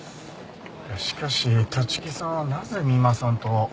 しかし立木さんはなぜ三馬さんと。